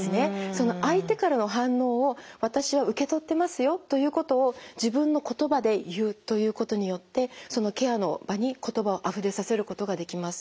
その相手からの反応を私は受け取ってますよということを自分の言葉で言うということによってそのケアの場に言葉をあふれさせることができます。